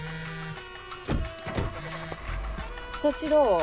そっちどう？